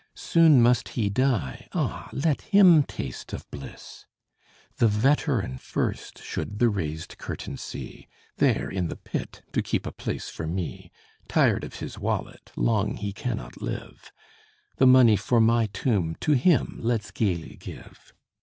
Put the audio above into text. Soon must he die ah, let him taste of bliss! The veteran first should the raised curtain see There in the pit to keep a place for me, (Tired of his wallet, long he cannot live) The money for my tomb to him let's gayly give!